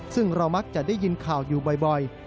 ซึ่งเรามักจะได้ยินข่าวอยู่บ่อย